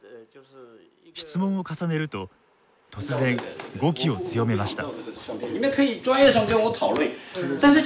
質問を重ねると突然語気を強めました。